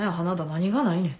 何がないねん？